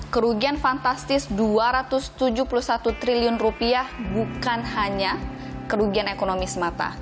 kerugian fantastis rp dua ratus tujuh puluh satu triliun bukan hanya kerugian ekonomi semata